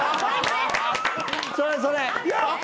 それそれ！